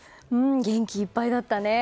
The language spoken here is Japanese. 元気いっぱいだったね。